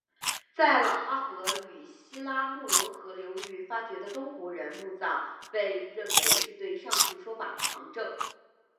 在老哈河与西拉木伦河流域发掘的东胡人墓葬被认为是对上述说法的旁证。